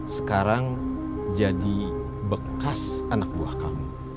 sekarang jadi bekas anak buah kamu